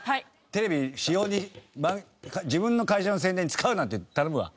テレビ私用に自分の会社の宣伝に使うなって頼むわ。